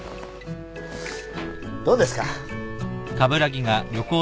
どうですか？